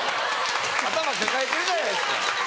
頭抱えてるじゃないですか。